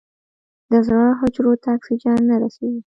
د زړه حجرو ته اکسیجن نه رسېږي.